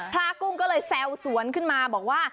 กุ้งก็เลยแซวสวนขึ้นมาบอกว่า